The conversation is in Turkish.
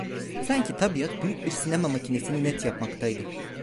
Sanki tabiat büyük bir sinema makinesini net yapmaktaydı…